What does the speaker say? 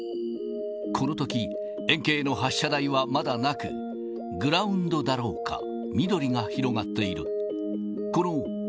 このとき、円形の発射台はまだなく、グラウンドだろうか、緑が広がっている。